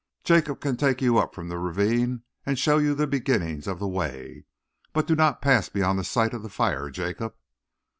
"Jacob can take you up from the ravine and show you the beginning of the way. But do not pass beyond the sight of the fire, Jacob."